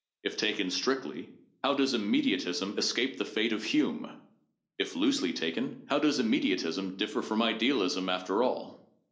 If taken strictly, how does immediatism escape the fate of Hume? If loosely taken, how does immediatism differ from idealism after all?